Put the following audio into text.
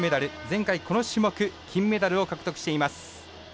前回、この種目金メダルを獲得しています。